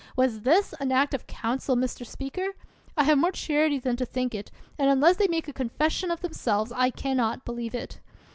Was this an act of council, Mr: Speaker ? I have more charity than to think it; and unless they make a confession of them selves, I can not believe it.